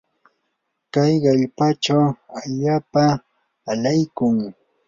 kay hallqachaw allaapam alaykun.